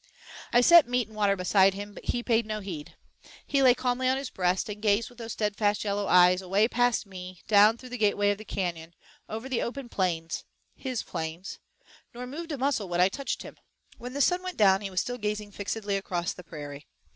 I set meat and water beside him, but he paid no heed. He lay calmly on his breast, and gazed with those steadfast yellow eyes away past me down through the gateway of the canyon, over the open plains his plains nor moved a muscle when I touched him. When the sun went down he was still gazing fixedly across the prairie.